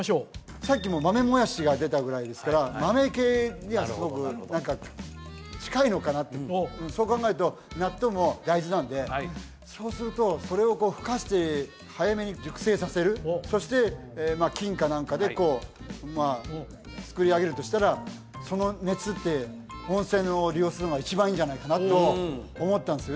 さっきも豆もやしが出たぐらいですから豆系にはすごく何か近いのかなってそう考えると納豆も大豆なんでそうするとそれをふかして早めに熟成させるそして菌か何かでこう作り上げるとしたらその熱って温泉を利用するのが一番いいんじゃないかなと思ったんですよ